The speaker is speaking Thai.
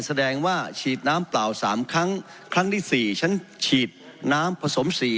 แสดงว่าฉีดน้ำเปล่า๓ครั้งครั้งที่๔ฉันฉีดน้ำผสมสี